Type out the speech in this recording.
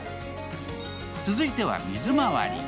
続いては水まわり。